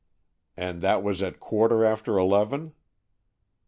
"And that was at quarter after eleven?"